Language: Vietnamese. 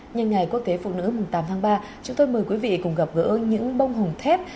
nhân ngày quốc tế phụ nữ tám tháng ba chúng tôi mời quý vị cùng gặp gỡ những bông hồng thép